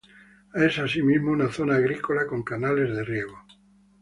Es asimismo una zona agrícola con canales de riego.